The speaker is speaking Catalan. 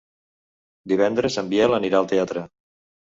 Divendres en Biel anirà al teatre.